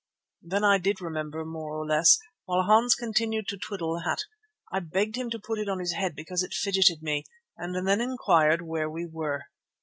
Then I did remember more or less, while Hans continued to twiddle the hat. I begged him to put it on his head because it fidgeted me, and then inquired where we were.